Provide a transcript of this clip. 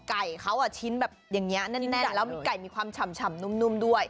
ไก่เขาชิ้นแบบอย่างนี้แน่นแล้วมีไก่มีความฉ่ำนุ่มด้วย